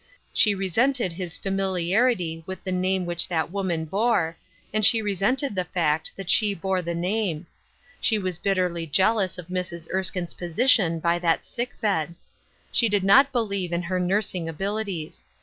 She resented his familiarity with the name which that woman bore, and she resented the fact that she bore the name. She was bitterly jealous of Mrs. Ers kine's position by that sick bed. She did not believe in her nursing abilities.